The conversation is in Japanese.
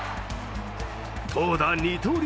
投打二刀流